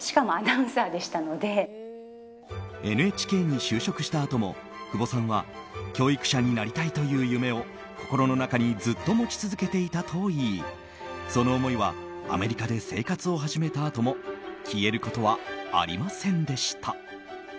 ＮＨＫに就職したあとも久保さんは教育者になりたいという夢を心の中にずっと持ち続けていたといいその思いはアメリカで生活を始めたあとも消えることはありませんでした。